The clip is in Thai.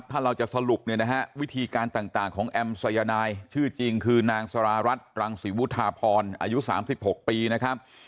ถ้าเราจะสรุปเนี่ยนะฮะวิธีการต่างของแอมสายนายชื่อจริงคือนางสารารัฐรังศรีวุฒาพรอายุ๓๖ปีนะครับ